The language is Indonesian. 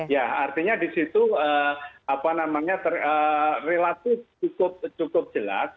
ya artinya di situ apa namanya relatu cukup jelas